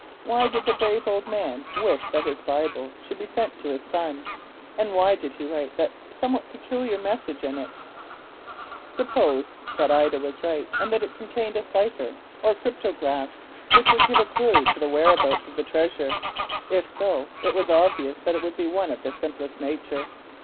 Why did the brave old man wish that his Bible should be sent to his son, and why did he write that somewhat peculiar message in it? Suppose Ida was right and that it contained a cypher or cryptograph which would give a clue to the whereabouts of the treasure? If so it was obvious that it would be one of the simplest nature.